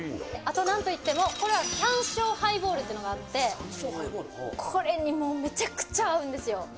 あとなんといっても山椒ハイボールっていうのがあってこれにもうめちゃくちゃ合うんですよ。